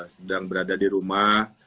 sedang berada di rumah